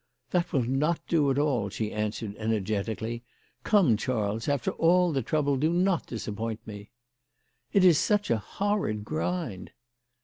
" That will not do at all," she answered, ener getically. " Come, Charles, after all the trouble do not disappoint me." "It is such a horrid grind."